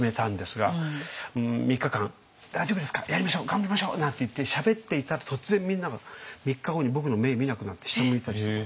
頑張りましょう！」なんて言ってしゃべっていたら突然みんなが３日後に僕の目見なくなって下向いたりして。